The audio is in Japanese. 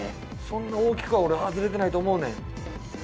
そんな大きくは俺外れてないと思うねん。